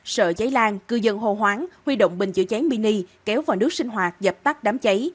sợ cháy lan cư dân hồ hoáng huy động bình chữa cháy mini kéo vào nước sinh hoạt dập tắt đám cháy